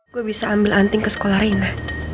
gue bisa ambil anting ke sekolah rina